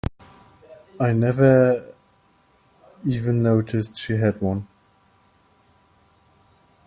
I never even noticed she had one.